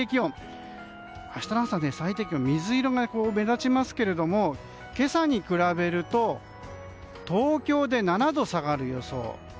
明日の朝の最低気温は水色が目立ちますけれども今朝に比べると東京で７度下がる予想。